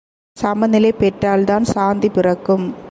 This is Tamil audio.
சம நிலை பெற்றால்தான் சாந்தி பிறக்கும்.